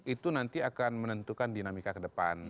itu nanti akan menentukan di mana